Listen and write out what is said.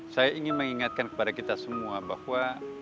saya ingin mengingatkan kepada kita semua bahwa